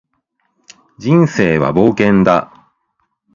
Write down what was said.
人生は冒険だ